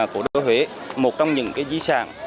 cổ đô huế một trong những cái di sản